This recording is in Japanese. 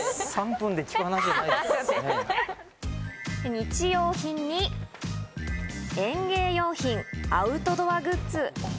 日用品に、園芸用品、アウトドアグッズ。